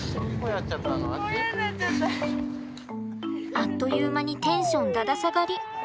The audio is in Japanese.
あっという間にテンションだだ下がり。